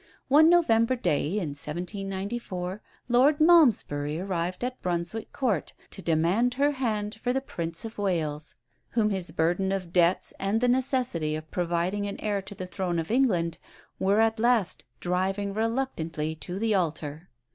One November day, in 1794, Lord Malmesbury arrived at the Brunswick Court to demand her hand for the Prince of Wales, whom his burden of debts and the necessity of providing an heir to the throne of England were at last driving reluctantly to the altar.